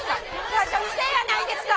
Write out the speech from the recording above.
会社のせいやないですか！